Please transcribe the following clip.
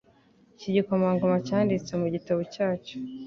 Iki gikomangoma cyanditse mu gitabo cyacyo